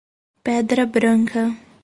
Pedra Branca